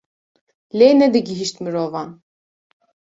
lê nedigihîşt mirovan.